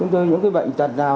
những cái bệnh tật nào